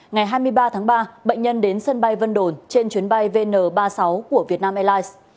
ngày hai mươi ba tháng ba bệnh nhân đến sân bay vân đồn trên chuyến bay vn ba mươi sáu của vietnam airlines